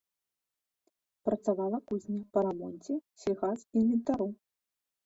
Працавала кузня па рамонце сельгасінвентару.